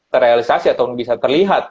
terrealisasi atau bisa terlihat